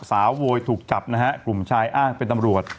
โวยถูกจับนะฮะกลุ่มชายอ้างเป็นตำรวจ